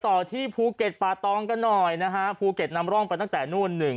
ต่อที่ภูเก็ตป่าตองกันหน่อยนะฮะภูเก็ตนำร่องไปตั้งแต่นู่นหนึ่ง